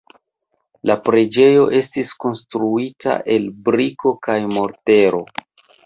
La preĝejo estis konstruita el briko kaj mortero.